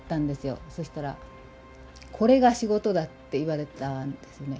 そしたら「これが仕事だ」って言われたんですよね。